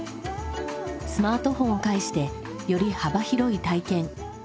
スマートフォンを介してより幅広い「体験」「空間の魅力」を。